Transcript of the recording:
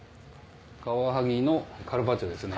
カワハギのカルパッチョですね。